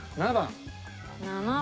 ７番。